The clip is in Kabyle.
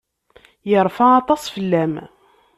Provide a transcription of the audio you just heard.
Yerfa aṭas fell-am.